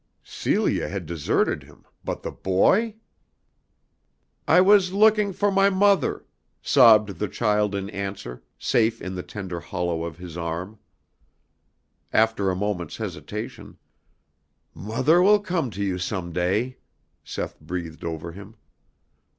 Celia had deserted him, but the Boy! "I was looking for my mother," sobbed the child in answer, safe in the tender hollow of his arm. After a moment's hesitation: "Mother will come to you some day," Seth breathed over him.